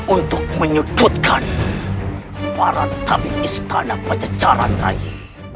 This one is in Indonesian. untuk menyudutkan para tabi istana pejajaran rai